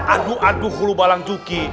aduh adu hulu balang juki